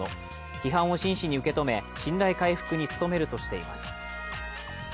批判を真摯に受け止め、信頼回復に努めるとしています。